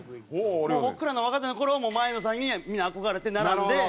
僕らの若手の頃はもう前野さんにみんな憧れて並んで。